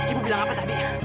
ibu bilang apa tadi